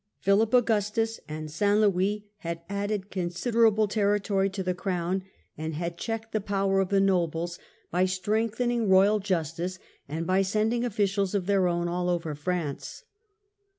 Philip Augustus and St. Louis had added considerable territory to the Crown and had checked the power of 4 49 50 THE END OF THE MIDDLE AGE the nobles by strengthening royal justice, and by sending officials of their own all over France.